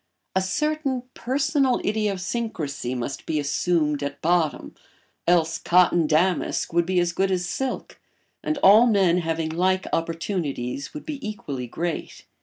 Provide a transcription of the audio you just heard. A certain personal idiosyncrasy must be assumed at bottom, else cotton damask would be as good as silk and all men having like opportunities would be equally great.